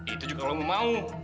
itu juga kalau mau mau